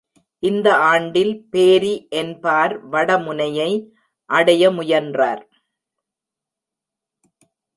இந்த ஆண்டில் பேரி என் பார் வட முனையை அடைய முயன்றார்.